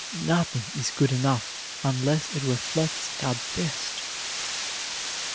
Nothing is good enough unless it reflects our best.